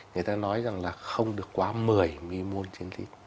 người ta nói rằng là không được quá một mươi milimol trên lít